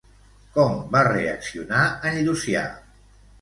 Com va reaccionar en Llucià?